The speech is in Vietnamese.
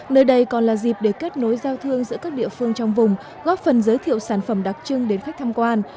nơi đây còn là dịp để kết nối giao thương giữa các địa phương trong vùng góp phần giới thiệu sản phẩm đặc trưng đến khách tham quan